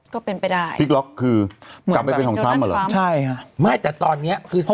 ก็เป็นไปได้พลิกล็อกคือกลับไปเป็นของทรัมป์เหรอใช่ค่ะไม่แต่ตอนเนี้ยคือ